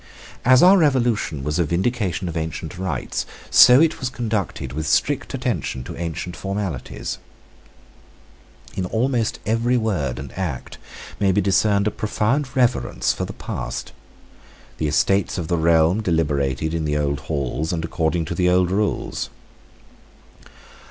As our Revolution was a vindication of ancient rights, so it was conducted with strict attention to ancient formalities. In almost every word and act may be discerned a profound reverence for the past. The Estates of the Realm deliberated in the old halls and according to the old rules.